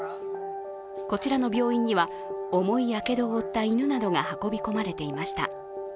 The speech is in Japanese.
こちらの病院には、重いやけどを負った犬などが運び込まれていました。